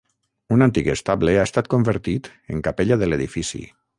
Un antic estable ha estat convertit en capella de l'edifici.